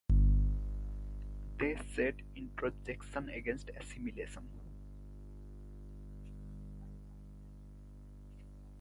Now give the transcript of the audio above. They set "introjection" against "assimilation".